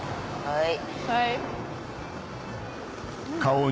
はい。